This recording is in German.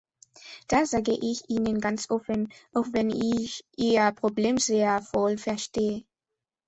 Das sage ich Ihnen ganz offen, auch wenn ich Ihr Problem sehr wohl verstehe.